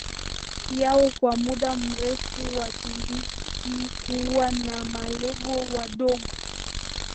yao kwa muda mrefu Waturuki huwa na malengo madogo